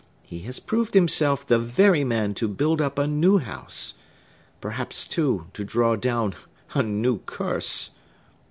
He has proved himself the very man to build up a new house! Perhaps, too, to draw down a new curse!"